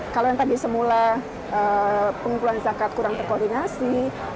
kalau yang tadi semula pengumpulan zakat kurang terkoordinasi